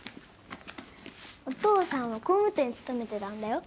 お父さんは工務店に勤めてたんだよ。